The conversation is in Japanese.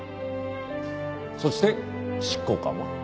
そして執行官は。